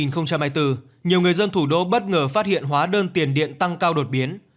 nhiều người dân thủ đô bất ngờ phát hiện hóa đơn tiền điện tăng cao đột biến